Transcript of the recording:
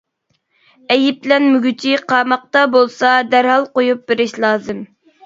ئەيىبلەنمىگۈچى قاماقتا بولسا، دەرھال قويۇپ بېرىش لازىم.